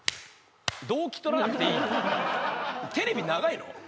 同期とらなくていいよテレビ長いの？